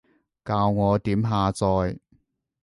教我點下載？